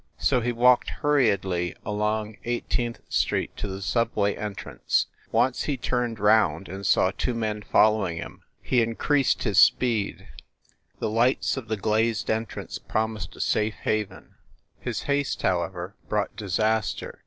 So he walked hurriedly along Eighteenth Street to the Subway entrance. Once he turned round, and saw two men following him ... he increased his speed. The 49 50 FIND THE WOMAN lights of the glazed entrance promised a safe haven. His haste, however, brought disaster.